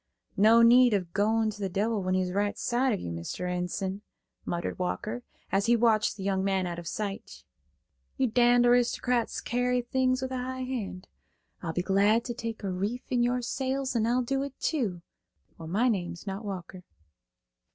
"No need of goin' to the devil when he's right side of you, Mr. Enson," muttered Walker, as he watched the young man out of sight. "You d–d aristocrats carry things with a high hand; I'll be glad to take a reef in your sails, and I'll do it, too, or my name's not Walker."